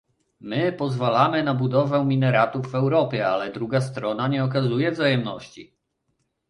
My pozwalamy na budowę minaretów w Europie, ale druga strona nie okazuje wzajemności